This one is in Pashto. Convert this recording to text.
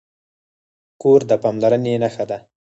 کور د پاملرنې نښه ده.